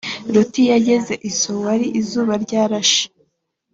loti yageze i sowari izuba ryarashe